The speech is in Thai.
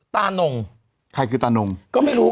ตานงใครคือตานงก็ไม่รู้